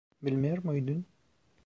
Bilmiyor muydun?